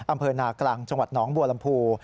อำเภอนากลางจังหวัดหนองบัวลำพู